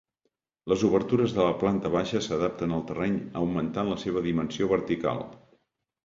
Les obertures de la planta baixa s'adapten al terreny augmentant la seva dimensió vertical.